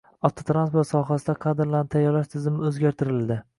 Avtotransport sohasida kadrlarni tayyorlash tizimi o‘zgartirildi